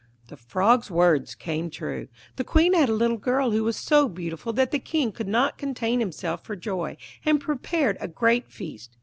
The frog's words came true. The Queen had a little girl who was so beautiful that the King could not contain himself for joy, and prepared a great feast.